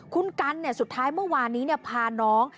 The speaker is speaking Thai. คุณกันสุดท้ายเมื่อวานนี้พาน้อง